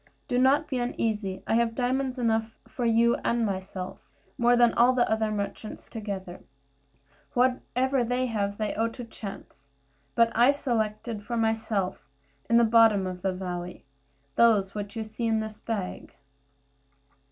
Do not be uneasy; I have diamonds enough for you and myself, more than all the other merchants together. Whatever they have they owe to chance; but I selected for myself, in the bottom of the valley, those which you see in this bag."